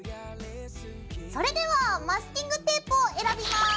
それではマスキングテープを選びます。